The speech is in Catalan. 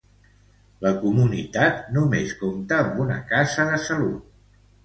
La comunitat només compta amb una casa de salut.